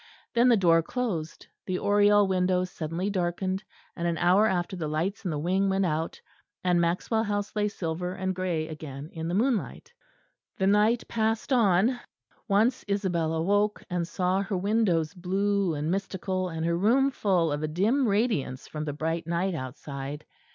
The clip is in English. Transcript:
Then the door closed; the oriel window suddenly darkened, and an hour after the lights in the wing went out, and Maxwell Hall lay silver and grey again in the moonlight. The night passed on. Once Isabel awoke, and saw her windows blue and mystical and her room full of a dim radiance from the bright night outside.